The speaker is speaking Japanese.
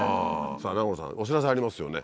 永野さんお知らせありますよね？